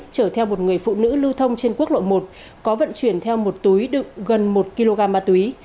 chở theo một người phụ nữ lưu thông trên quốc lộ một có vận chuyển theo một túi đựng gần một kg ma túy